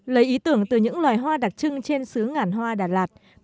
lấy ý tưởng từ những loài hoa đặc trưng trên xứ ngàn hoa đà lạt